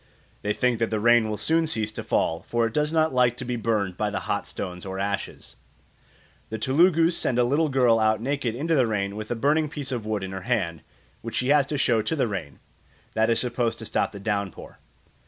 They think that the rain will soon cease to fall, for it does not like to be burned by the hot stones or ashes. The Telugus send a little girl out naked into the rain with a burning piece of wood in her hand, which she has to show to the rain. That is supposed to stop the downpour.